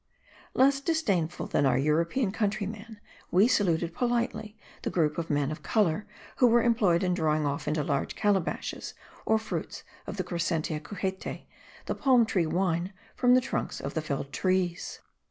Less disdainful than our European countryman, we saluted politely the group of men of colour who were employed in drawing off into large calabashes, or fruits of the Crescentia cujete, the palm tree wine from the trunks of felled trees.